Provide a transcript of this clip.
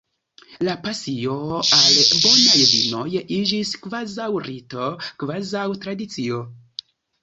La pasio al bonaj vinoj iĝis kvazaŭ rito, kvazaŭ tradicio.